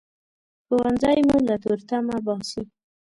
ښوونځی مو له تورتمه باسي